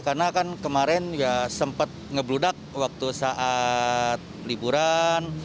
karena kan kemarin ya sempat ngebludak waktu saat liburan